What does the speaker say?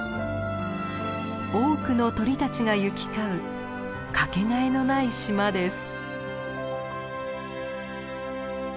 多くの鳥たちが行き交うかけがえのない島です。